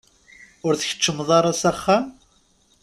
Ur tkeččmeḍ ara s axxam?